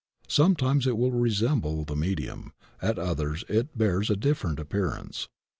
Sometimes it will resemble the medium; at others it bears a different appearance.